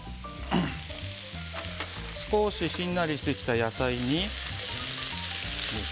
少ししんなりしてきた野菜に。